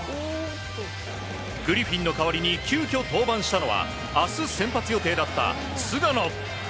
グリフィンの代わりに急きょ登板したのは明日、先発予定だった菅野。